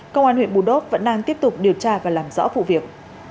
công an huyện bù đốc vẫn đang tiếp tục điều tra và làm rõ vụ việc